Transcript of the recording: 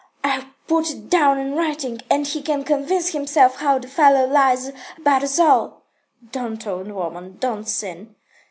I'll put it down in writing, and he can convince himself how the fellow lies about us all." "Don't, old woman. Don't sin."